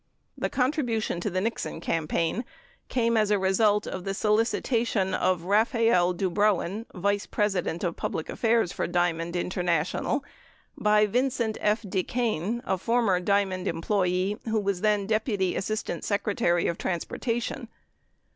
The contribution to the Nixon campaign, came as a result of the solicitation of Raphael Dubrowin, vice president of public affairs for Diamond International, by Vincent F. DeCain, a former Diamond employee who was then deputy assistant secretary of transportation.